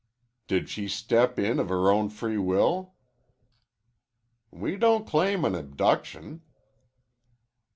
"Did she step in of her own free will?" "We don't claim an abduction."